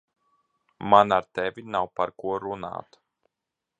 Man ar tevi nav par ko runāt.